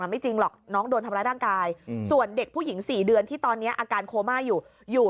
ไม่จริงหรอกน้องโดนทำร้ายร่างกายส่วนเด็กผู้หญิง๔เดือนที่ตอนนี้อาการโคม่าอยู่อยู่